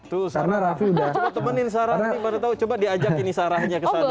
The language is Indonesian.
tuh coba temenin sarah nih mana tau coba diajak ini sarahnya ke sana